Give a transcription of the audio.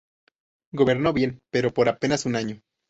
Gobernó bien, pero por apenas un año.